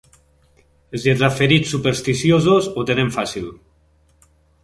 Els lletraferits supersticiosos ho tenen fàcil.